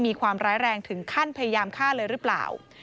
มีความร้ายแรงถึงขั้นพยายามฆ่าเลยหรือเปล่า